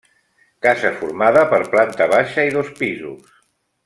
Casa formada per planta baixa i dos pisos.